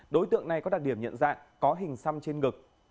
đối tượng này có đặc điểm nhận dạng có hình xăm trên ngực